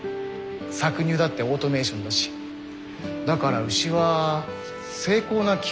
搾乳だってオートメーションだしだから牛は精巧な機械ってとこかな。